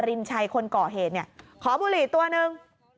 รินชัยคนก่อเหตุเนี่ยขอบุหรี่ตัวหนึ่ง